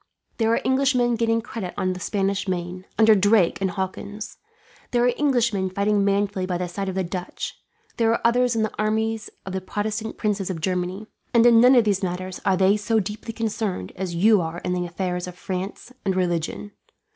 There are Englishmen gaining credit on the Spanish Main, under Drake and Hawkins; there are Englishmen fighting manfully by the side of the Dutch; there are others in the armies of the Protestant princes of Germany; and in none of these matters are they so deeply concerned as you are in the affairs of France and religion.